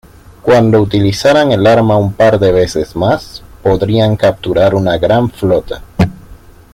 Cuando utilizaran el arma un par de veces más, podrían capturar una gran flota.